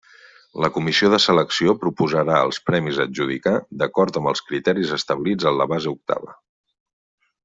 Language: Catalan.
La comissió de selecció proposarà els premis a adjudicar d'acord amb els criteris establits en la base octava.